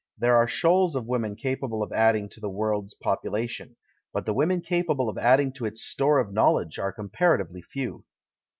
There are shoals of women capable of adding to the world's population, but the women capable of adding to its store of knowl edge are comparatively few."